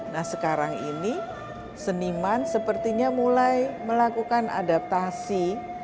nah sekarang ini seniman sepertinya mulai melakukan adaptasi